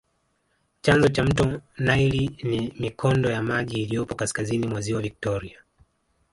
Chanzo cha mto nile ni mikondo ya maji iliyopo kaskazini mwa ziwa Victoria